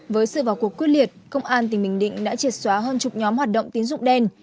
với sự vào cuộc quyết liệt công an tỉnh bình định đã triệt xóa hơn chục nhóm hoạt động tín dụng đen